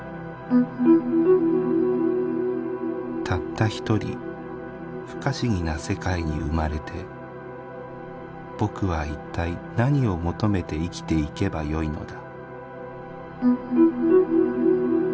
「たった１人不可思議な世界に生まれてぼくはいったいなにを求めて生きていけばよいのだ」。